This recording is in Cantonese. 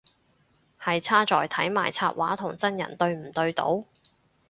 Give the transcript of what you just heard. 係差在睇埋插畫同真人對唔對到